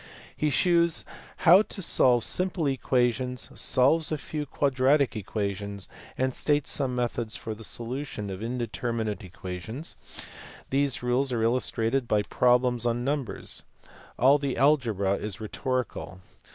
He shews how to solve simple equations, solves a few quadratic equations, and states some methods for the solution of indeterminate equa tions; these rules are illustrated by problems on numbers. All the algebra is rhetorical.